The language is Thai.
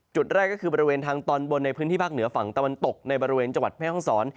จุดแรกก็คือบริเวณทางตอนบนในพื้นที่ภาคเหนือฝั่งตะวันตกในบริเวณจังหวัดแม่ห้องศร